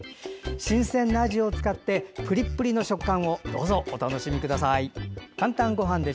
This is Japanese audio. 新鮮なあじを使ってプリプリの食感をお楽しみください。